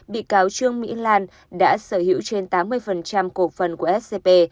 bị cáo trương mỹ lan đã sở hữu trên tám mươi cổ phần của scp